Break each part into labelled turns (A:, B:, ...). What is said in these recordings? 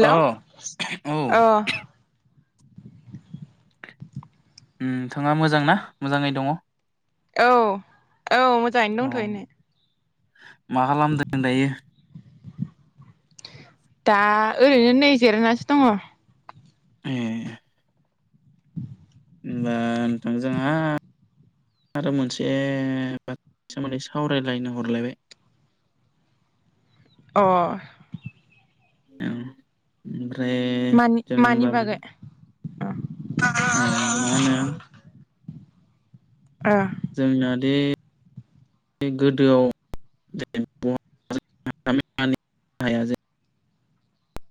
A: औ औ
B: औ‌
A: उम नोंथाङा मोजांना मोजाङै दङ।
B: औ औ मोजाङैनो दंथ'नो‌
A: मा खालामदों दायो‌
B: दा ओरैनो नै जिरायनासो दङ।
A: ए होनबा नोंथां जोंहा आरो मोनसे बाथ्रानि सोमोन्दै सावरायलायनो हरलायबाय [inaudible]
B: अ।
A: ओम उम।
B: मानि मानि बागै।
A: उम मानो।
B: अ।
A: जोंनादि गोदोआव [unintelligible]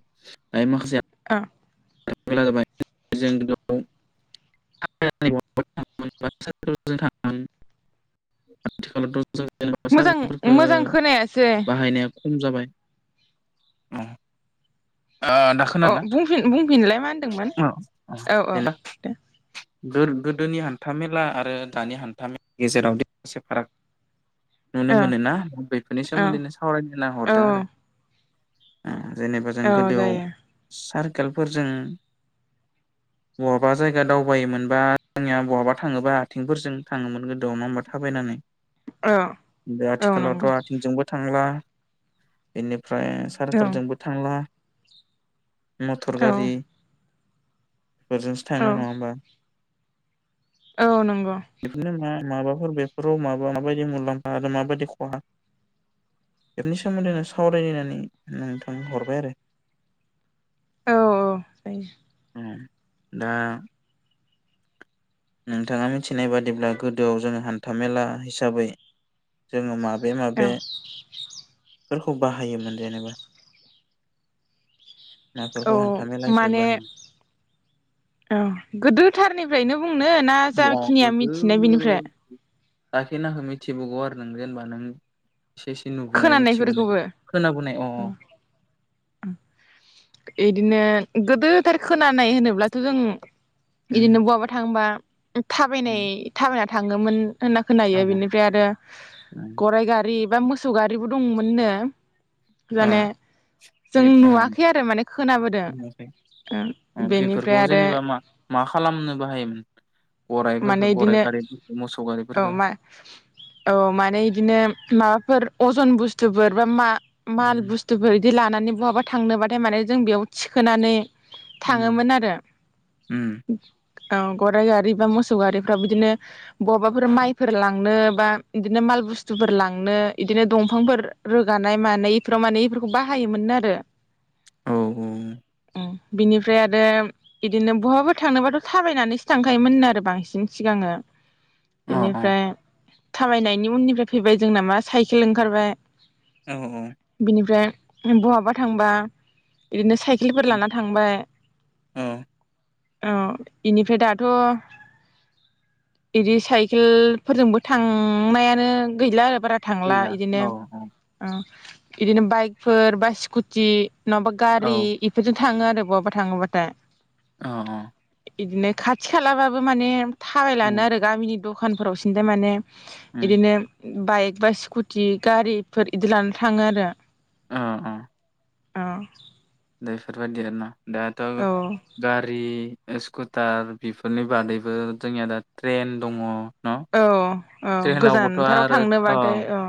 A: [unintelligible] माखासे
B: [unintelligible]
A: [unintelligible] [unintelligible] आथिखालावथ' जों जेनेबा सा
B: मोजां
A: [unintelligible] फोरखो
B: मोजां खोनायासै
A: [unintelligible] खम जाबाय अ ओ दा
B: अ
A: खोनादोना
B: बुंफिन बुंफिनलाय मा होनदोंमोन औ औ
A: [unintelligible]
B: दे
A: दोर गोदोनि हान्थामेला आरो दानि हान्थामेलानि गेजेरावदि एसे फाराग नुनो
B: औ
A: मोनोना बेफोरनि
B: औ
A: सोमोन्दैनो सावरायनो होनना
B: औ
A: हरदों आरो। उम जेन जों
B: औ
A: गोदोआव
B: जायो
A: सारकेलफोरजों बहाबा जायगा दावबायोमोनबा जोंनिया बहाबा थाङोबा आथिंफोरजों थाङोमोन गोदोआव। नङा होमबा थाबायनानै
B: औ
A: बे
B: औ नंगौ
A: आथिखालावथ' आथिंजोंबो थांला बेनि [unintelligible] फ्राय
B: औ
A: सारकोलजोंबो थांला मथर
B: औ
A: गारि बेजोंसो
B: औ
A: थाङो नङा होमबा?
B: औ नंग [unintelligible]
A: बेफोरनो मा माबाफोर बेफोराव माबा माबायदि मुलाम्फा आरो माबायदि खहा बेफोरनि सोमोन्दै सावरायलायनानै नोंथां हरबाय आरो
B: औ औ जायो।
A: [unintelligible] दा नोंथाङा मिनथिनाय बादिब्ला गोदोआव जोङो हान्थामेला हिसाबै जोङो माब बे
B: औ
A: माबे फोरखौ बाहायोमोन जेनेबा?
B: औ
A: माफोरखौ हान्था मेला हिसाबै
B: माने
A: बाहायोमोन?
B: ओह गोदोथारनि नैनो बुंनो ना जाखिनिया मिथिनाय बिनिफ्राय?
A: जाखिनाखो मिथिबोगौ आरो नों जेनेबा नों एसे एसे नुबोनाय मिथिबोनाय
B: खोनानायफोरखौबो
A: खोनाबोनाय अ अ
B: [unintelligible] इदिनो गोदोथार खोनानाय होनोब्लाथ' जों इदिनो
A: उम
B: बहाबा थांबा [unintelligible] थाबायनाय
A: उम
B: थाबायना थाङोमोन होनना खोनायो बेनिफ्राय आरो गराय गारि बा मोसौ गारिबो दंमोननो जाने
A: अ
B: जों
A: बे
B: नुवाखै आरो माने खोनाबोदों।
A: उम
B: बेनिफ्राय
A: बेफोरखौ
B: आरो
A: जेनेबा मा मा खालामनो बाहायोमोन?
B: माने
A: गराइफोरखो
B: इदिनो
A: गराइ गारिफोरखो मोसौ
B: औ
A: गारिफोरखो?
B: मा औ माने इदिनो माबाफोर अजन बुस्थुफोर बा मा माल
A: उम
B: बुस्थुफोर इदि ला नानै बहाबा थांनोबाथाय माने जों बेयाव थिखोनानै
A: उम
B: थाङोमोन आरो।
A: उम
B: [unintelligible] औ गराइ गारि बा मोसौ गारिफ्राव बिदिनो बबाफोर माइफोर लांनो बा इदिनो मा माल बुस्थुफोर लांनो इदिनो दंफांफोर रोगानाय मानाय इफोराव माने इफोरखौ बाहायोमोननो आरो।
A: औ औ
B: [unintelligible] बिनिफ्राय आरो इदिनो बहाबा थांनोबाथ' थाबायनानैसो थांखायोमोनो आरो बांसिन सिगां [unintelligible]
A: अ
B: बेनिफ्राय थाबायनायनि उननिफ्राय फैबाय जोंना मा साइखेल ओंखारबाय
A: अ औ
B: बिनिफ्राय बहाबा थांबा इदिनो स साइखेलफोर लाना थांबाय
A: औ
B: अह इनिफ्राय दाथ' इदि साइखेलफोरजोंबो थांनायानो गैला आरो बारा थांला
A: गैला
B: इदिनो
A: औ
B: ओ इदिनो बाइकफोर बा स्कुटि नङाबा
A: औ
B: गारि इफोरजों थाङो आरो बहाबा थाङोबाथाय
A: अ अ।
B: इदिनो खाथि-खालाबाबो माने थाबायलानो
A: उम
B: आरो गामिनि दखानफोरावसिनथाय माने
A: उम
B: इदिनो बाइकबा, स्कुटि गारिफोर इदि लाना थाङो आरो।
A: ओ अ।
B: औ
A: दा बेफोरबायदि आरोना दाथ'
B: औ
A: गारि स्कुटार बेफोरनि बादैबो जोंनिया दा ट्रेन दङ। न'
B: औ औ
A: ट्रेनावबोथ'
B: गोजानथाराव थांनोबाथाय औ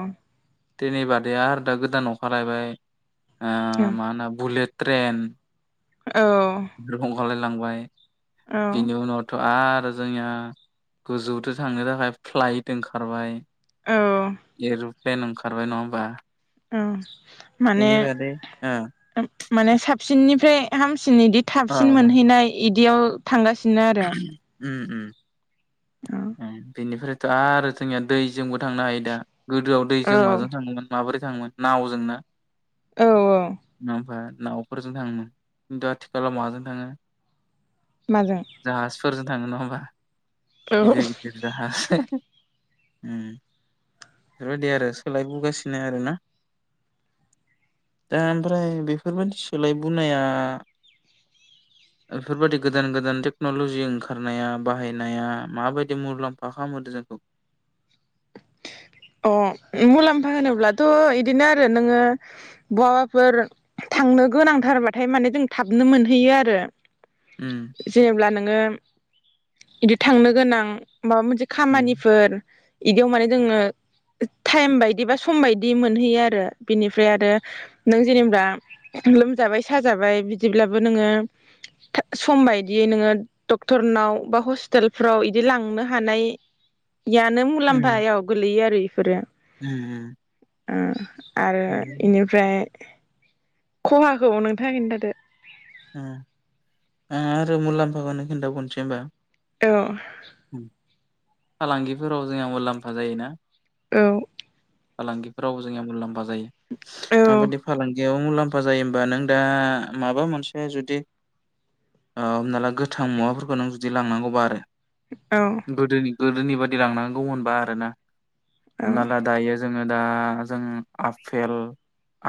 A: थिनि बादै आरो दा गोदान अखारलायबाय ओ
B: औ
A: मा होनो बुलेट ट्रेन
B: औ
A: बे अखारलाय लांबाय बिनि उनावथ' आरो जोंनिया गोजौदो थांनो थाखाय फ्लाइट ओंखारबाय।
B: औ
A: एरुप्लेन ओंखारबाय नङा होमबा
B: औ माने
A: बेनि बादै ओ
B: माने साबसिननि फ्राय हामसिन इदि थाबसिन मोनहैनाय इदियाव थांगासिनो आरो।
A: उम
B: औ
A: उम बेनिफ्रायथ' आरो जोंनिया दैजोंबो थांनो हायो दा। गोदोआव दैजों माजों
B: औ
A: थाङोमोन माबोरै थाङोमोन नावजों ना
B: औ औ
A: माबा नावफोरजों थाङोमोन खिन्थु आथिखालाव माजों थाङो
B: माजों?
A: जाहाजफोरजों थाङो नङा होमबा
B: औ
A: गिदिर-गिदिर जाहाज उम बेफोरबायदि आरो सोलायबुगासिनो आरोना। दा ओमफ्राय बेफोरबायदि सोलायबोनाया इफोरबायादि गोदान-गोदान टेक्नलजि ओंखारनाया बाहायनाया माबायदि मुलाम्फा खालामहोदों जोंखौ [inaudible]
B: अ मुलाम्फा होनोब्लाथ' इदिनो आरो नोङो बहाबाफोर थां नो गोनांथारबाथाय माने जों थाबनो मोनहैयो आरो।
A: उम
B: जेनेब्ला नोङो इदि थांनो गोनां माबा मोनसे
A: उम
B: खामानिफोर इदियाव माने जोंङो टाइम बायदि बा सम बायदि मोनहैयो आरो बिनिफ्राय आरो नों जेनेबा लोमजाबाय साजाबाय बिदिब्लाबो नोङो थाब सम बायदियै नोङो डक्टरनाव बा हस्पिटालफ्राव इदि लांनो हानाय
A: [inaudible]
B: यानो
A: उम
B: मुलाम्फायाव गोलैयो आरो इफोरो
A: उम उम।
B: ओम आरो इनिफ्राय खहाखौ नोंथाङा खोनथादो?
A: ओम ओ आरो मुलाम्फाखौनो खिन्थाबावनोसै होमबा
B: औ।
A: उम फालांगिफोराव जोंहा मुलाम्फा जायोना
B: औ।
A: फालांगिफोरावबो जोंया मुलाम्फा जायो
B: औ
A: माबादि फालांगियाव मुलाम्फ मफा जायो होमबा नों दा माबा मोनसे बे जुदि ओ हमना ला गोथां मुवाफोरखौ नों जुदि लांनांगौबा आरो।
B: औ
A: गोदोनि गोदोनि बादि लांनांगौ मोनबा आरोना
B: औ
A: हमना ला दायो जोङो दा जों आफेल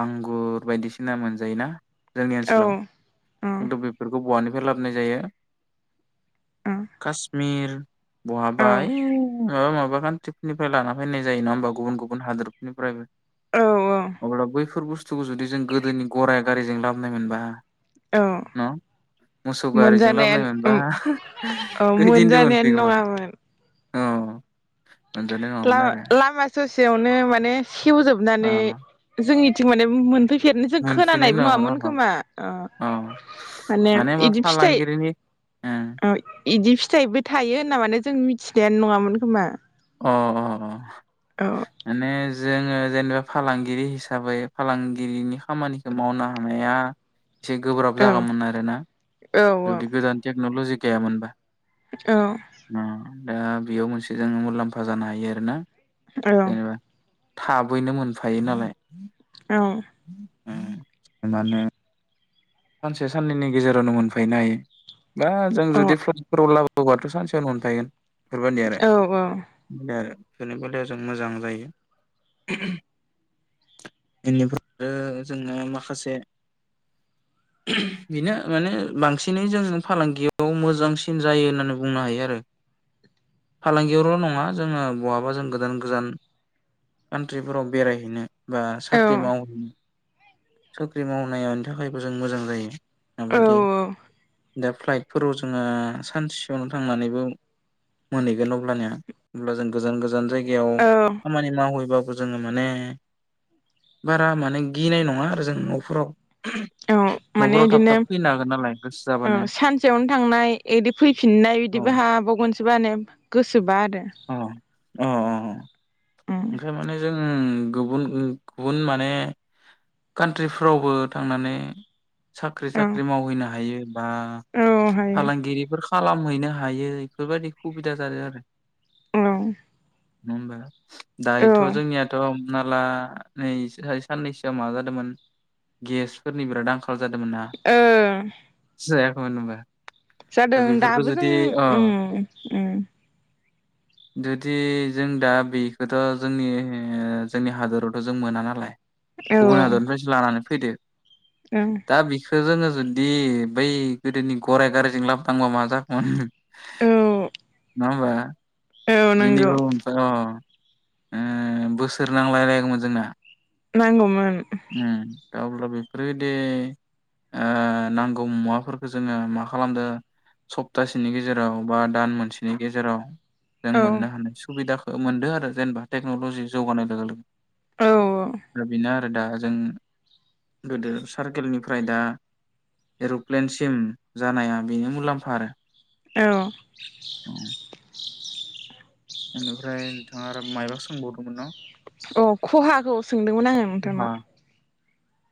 A: आंगुर बायदिसिना मोनजायोना जोंनि
B: औ
A: ओनसोलाव किन्तु बेफोरखौ बहानिफ्राय लाबनाय जायो कासमिर बहाबा
B: औ
A: ओइ माबा माबा कान्तिफोरनिफ्राय लाना फायनाय जायो नङा होमबा गुबुन गुबुन हादरफोरनिफ्रायबो
B: औ
A: अब्ला बैफोर बुस्थुखौ जुदि जों गोदोनि गराइ गारिजों लाबोनाय मोनबा
B: औ
A: न' मोसौ गारिजों
B: मोनजानायान
A: लाबोनाय मोनबा
B: उम औ
A: खैदिनदो
B: मोनजानायानो
A: मोनफैगौमोन
B: नङामोन
A: औ मोनजानाय नङामोन
B: लामा
A: आरो
B: लामा ससे सयावनो माने सेवजोबनानै
A: अ
B: जोंनिथिं माने मोनफै फेरनोजों
A: मोनफैनाय
B: खोनानायबो
A: अ
B: नङामोन खोमा अ मानेम
A: मानो होनबा
B: इदि फिथाइ
A: फालांगिरिनि ओं
B: ओ इदि फिथाइबो थायो होनना माने जों मिथिखायानो नङामोन खोमा औ
A: मानेज जोङो जेनेबा फालांगिरि हिसाबै फालांगिरिनि खामानिखौ मावनो हानाया इसे गोब्राब
B: औ
A: जागामोन आर ना
B: औ
A: जुदि गोदान टेक्न'ल'जि गैयामोनबा
B: औ
A: ओ दा बेयाव मोनसे जोङो मुलाम्फा जानो हायो आरोना
B: औ
A: जेनेबा थाबैनो मोनफायो नालाय
B: औ
A: उम मानो सानसे साननैनि गेजेरावनो मोनफायनो हायो बा जों
B: अ औ
A: जुदि फ्लाइटफोराव लाबो बबाथ' सानसेयावनो मोनफायगोन बेफोरबायदि आरो आरो इफोरनि बेलायाव जों मोजां जायो इनिफ्राय बो जोङो माखासे बेनो माने बांसिनै जों फालांगियाव मोजांसिन जायो होननानै बुंनो हायो आरो फालांगियावल' नङा जोङो बहाबा जों गोदान गोजान कान्ट्रिफोराव बेरायहैनो बा साख्रि मावो साख्रि मावनायानि थाखायबो जों मोजां जायो
B: औ
A: माबायदि दा फ्लाइटफोराव जोङो सानसेयावनो थांनानैबो मोनहैगोन अब्लानिया अब्ला जों गोजान गोजान जायगायाव
B: औ
A: खामानि मावैबा जोङो माने बारा माने गिनाय नङा जों न'फोराव
B: औ माने
A: नफोराव थाब
B: इदिनो
A: थाब फैनो हागोन नालाय गोसो जाबा
B: औ सानसेयावनो थांनाय इदि फैफिननाय
A: औ
B: बिदिबो हाबावगोनसो बानो गोसोबा आरो
A: अह अ अ
B: उम
A: अ ओंखाय माने जों उम गुबुन उम गुबुन माने कान्ट्रिफ्रावबो थांनानै साख्रि
B: औ
A: साख्रि मावहैनो हायो बा
B: औ हायो
A: फालांगिरिफोर खालामहैनो हायो इफोरबायदि खुबिदा जादो आरो
B: औ
A: नङा होमबा
B: औ
A: दायोथ' जोंनियाथ' नाला नै सोयाय साननैसोआ मा जादोमोन गेसफोरनि बिराद आंखा खाल जादोमोन ना
B: ओ
A: जायाखैमोन होमबा?
B: जादों दाबो जों उम उम
A: जुदि जों दा बि बेथ' जोंनि जोंनि हादोरावथ' जों मोना नालाय
B: औ
A: गुबुन हादरनिफ्रायसो लानानै फैदो
B: औ
A: दा बे खो जोंङो जुदि बै गोदोनि गराय गारिजों लाबनांबा मा जागोमोन नङा होमबा
B: औ नंगौ
A: दिनिबो हो ओमफ्रा‌ अ ओ बोसोर नांलायलायगौमोन जोंना
B: नांगौमोन
A: उम, दा अब्ला बेफोरबायदि ओ नांगौ मुवाफोरखौ जोंङो मा खालामदो सप्तासेनि गेजेराव बा दान मोनसेनि गेजेराव जों
B: औ
A: मोननो हानाय सुबिदाखौ मोनदो आरो जेनेबा टेक्न'लजि जौगानाय लोगो लोगो
B: औ
A: दा बेना आरो दा जों गोदो सारकेलनिफ्राय दा एर'प्लेनसिम जानाया बेनो मुलाम्फा आरो
B: औ
A: बेनिफ्राय नोंथांङा ओरो मायबा सोंबावदोंमोन ना
B: अ खहाखौ सोंदोंमोन आंङो
A: खहा
B: नोंथांनाव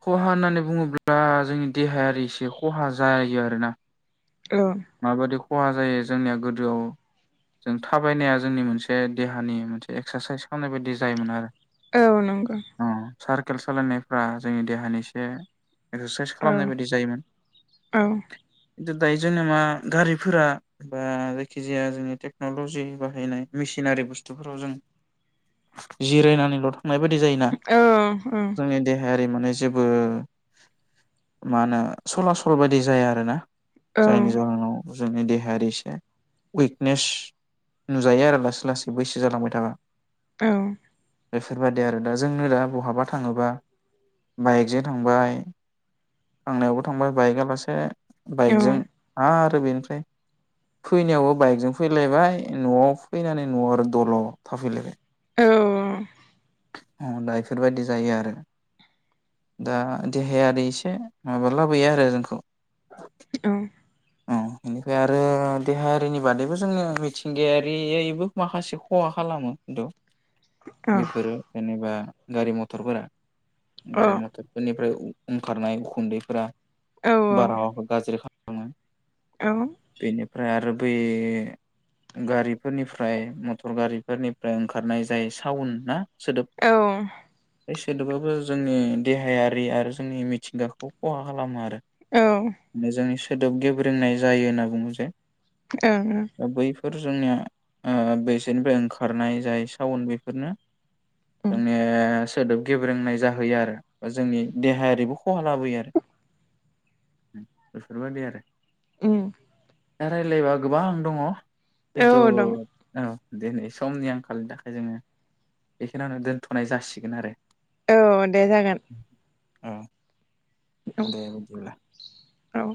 A: खहा होननानै बुंङोब्ला जोंनि देहायारि एसे खहा जायो आरोना
B: औ
A: माबादि खहा जायो जोंनिया गोदोआव जों थाबायनाया जोंनि मोनसे देहानि मोनसे एक्सारसाइस खालामनाय बायदि जायोमोन आरो
B: औ नोंगो
A: सारकेल सालायनायफ्रा जोंनि देहानिसे एसे एक्सासाइस
B: औ
A: खालामनाय बायदि जायोमोन
B: औ
A: खिन्थु दायो जोंना मा गारिफोरा बा जायखि जाया जोंनि टेक्नलजि बाहायनाय मेसिनारि बुस्थुफोराव जों जिरायनानैल' थांनाय बायदि जायोना
B: औ औ
A: जोंनि देहाया माने जेबो मा होनो सला सल बायदि जाया आरोना
B: औ
A: जायनि जाहोनाव जोंनि देहायारि एसे उइकनेस नुजायो आरो लासै लासै बैसो जालांबाय थाबा
B: औ
A: बेफोरबायदि आरो दा जोंनो दा बहाबा थांङोबा बाइकजो थांबाय थांनायावबो थांबाय बाइकआलासे
B: औ
A: बाइकजों आरो बेनिफ्राय फैनायावबो बाइकजों फैलायबाय न'आव फैनानै न'आव आरो दल' थाफैलायबाय
B: औ
A: अ दा इफोरबायदि जायो आरो दा देहाया ओरै एसे माबा लाबोयो आरो जोंखौ
B: औ
A: अ ओमफ्राय आरो देहायारिनि बादैबो जोंङो मिथिंगायारियैबो माखासे खहा खालामो खिन्थु बेफोरो जेनेबा गारि मथरफोरा
B: औ
A: गारि मथरफोरनिफ्राय ओंखारनाय उखुन्दैफोरा बारहावाखौ गाज्रि खालामो
B: औ
A: फ्राय आरो बे गारिफोरनिफ्राय मटर गारिफोरनिफ्राय ओंखारनाय जाय साउन्द ना सोदोब सेदोबाबो जोंनि देहायारि आरो जोंनि मिथिंगाखौ खहा खालामो आरो मोजांङै सोदोब गेब्रोंनाय जायो होनना बुंङो जे
B: ओ ओ
A: बेफोर जोंनिया ओ बेसोरनिफ्राय ओंखारनाय जाय साउन्द बेफोरनो जोंनि सोदोब गेब्रोंनाय जाहोयो आरो बा जोंनि देहायारिबो खहा लाबोयो आरो उ बेफोर बायदि आरो
B: [inaudible]
A: दा रायज्लायबा गोबां दङ
B: औ
A: खिन्थु
B: दं
A: औ दिनै समनि आंखालनि थाखाय जोङो बेखिनियावनो दोन्थ'नाय जासिगोन आरो
B: औ दे जागोन।
A: औ दे बिदिब्ला
B: औ